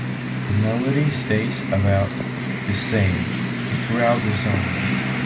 The melody stays about the same throughout the song.